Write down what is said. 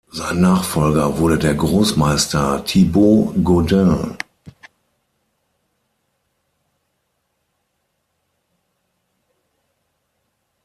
Sein Nachfolger wurde der Großmeister Thibaud Gaudin.